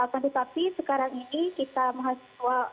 akan tetapi sekarang ini kita mahasiswa